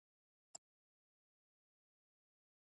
په ژوند کې لومړی ځل هغه پر دې وتوانېد